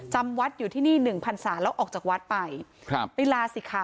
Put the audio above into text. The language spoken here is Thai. จำวัดอยู่ที่นี่หนึ่งพันศาแล้วออกจากวัดไปครับไปลาสิคะ